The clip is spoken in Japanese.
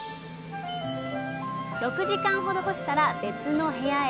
６時間ほど干したら別の部屋へ。